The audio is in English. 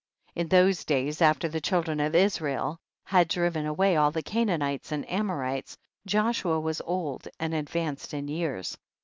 12. In those days, after the child ren of Israel had driven away all the Canaanites and Amorites, Joshua was old and advanced in years.